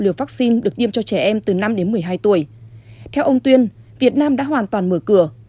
liều vaccine được tiêm cho trẻ em từ năm đến một mươi hai tuổi theo ông tuyên việt nam đã hoàn toàn mở cửa